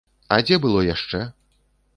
А дзе было яшчэ?